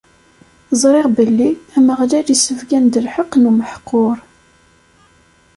Ẓriɣ belli Ameɣlal issebgan-d lḥeqq n umeḥqur.